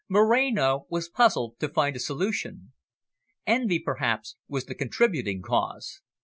Moreno was puzzled to find a solution. Envy perhaps was the contributing cause.